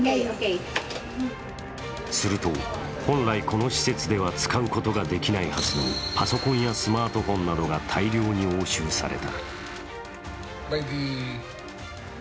すると、本来この施設では使うことができないはずのパソコンやスマートフォンなどが大量に押収された。